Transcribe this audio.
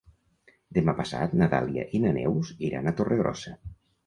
Demà passat na Dàlia i na Neus iran a Torregrossa.